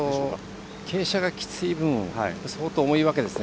傾斜がきつい分相当、重いわけですね。